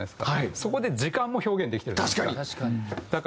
そこで時間も表現できてるじゃないですか。